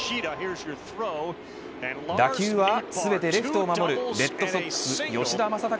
打球は全てレフトを守るレッドソックス吉田正尚